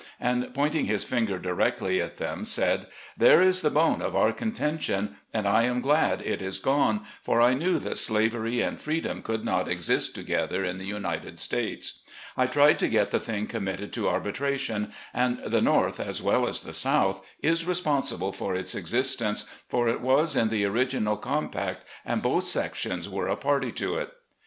and pointing his finger directly at them said, "There is the bone of our contention, and I am glad it is gone, for I knew that slavery and freedom could not exist together in the United States. I tried to get the thing committed to arbitration, and the North, as well as the South, is responsible for its existence, for it was in the original compact, and both sections were a party to it."